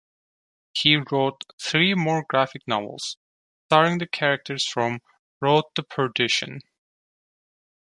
He wrote three more graphic novels starring the characters from "Road to Perdition".